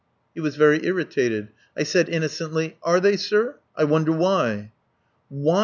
He was very irritated. I said innocently: "Are they, sir. I wonder why?" "Why!"